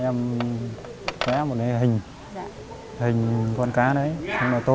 em vẽ một cái hình hình con cá đấy xong rồi tô